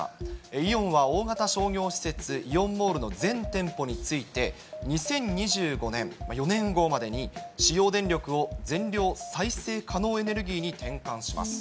イオンは大型商業施設、イオンモールの全店舗について、２０２５年、４年後までに、使用電力を全量、再生可能エネルギーに転換します。